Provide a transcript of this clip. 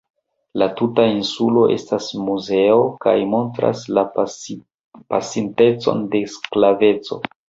La tuta insulo estas muzeo kaj montras la pasintecon de sklaveco.